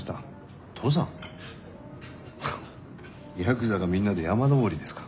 ヤクザがみんなで山登りですか。